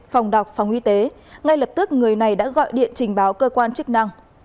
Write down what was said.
phòng đọc phòng y tế ngay lập tức người này đã gọi điện trình báo cơ quan chức năng